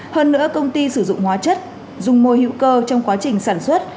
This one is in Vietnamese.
hơn nữa công ty sử dụng hóa chất rung môi hữu cơ trong quá trình sản xuất